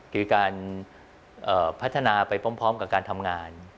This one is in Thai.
คือการพัฒนาไปพร้อมกับการทำงาน